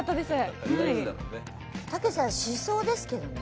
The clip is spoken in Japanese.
茸さんしそうですけどね。